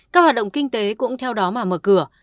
các hoạt động kinh tế cũng theo đó mà mở cửa